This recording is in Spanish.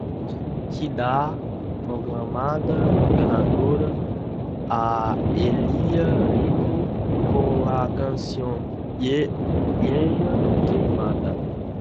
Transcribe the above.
Queda proclamada ganadora a Elia Rico con la canción "Leña quemada".